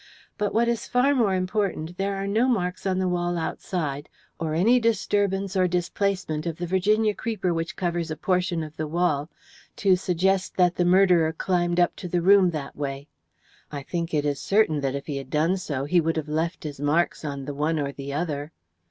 But, what is far more important, there are no marks on the wall outside, or any disturbance or displacement of the Virginia creeper which covers a portion of the wall, to suggest that the murderer climbed up to the room that way. I think it is certain that if he had done so he would have left his marks on the one or the other.